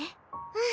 うん。